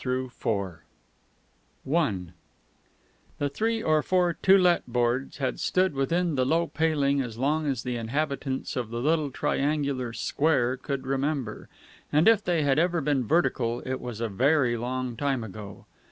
HIC JACET THE BECKONING FAIR ONE I The three or four "To Let" boards had stood within the low paling as long as the inhabitants of the little triangular "Square" could remember, and if they had ever been vertical it was a very long time ago.